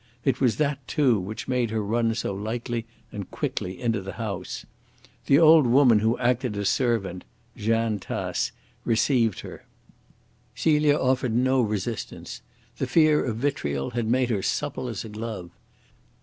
It was that, too, which made her run so lightly and quickly into the house. The old woman who acted as servant, Jeanne Tace, received her. Celia offered no resistance. The fear of vitriol had made her supple as a glove.